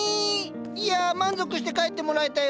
いや満足して帰ってもらえたよ。